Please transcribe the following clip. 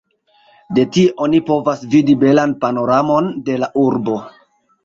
De tie oni povas vidi belan panoramon de la urbo.